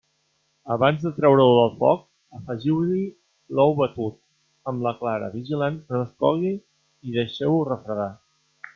Abans de treure-ho del foc, afegiu-hi l'ou batut, amb la clara, vigilant que no es cogui i deixeu-ho refredar.